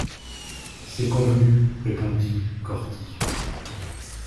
C’est convenu », répondit Corty.